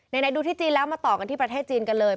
ไหนดูที่จีนแล้วมาต่อกันที่ประเทศจีนกันเลย